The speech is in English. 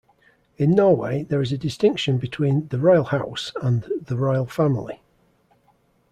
In Norway there is a distinction between the Royal House and the Royal Family.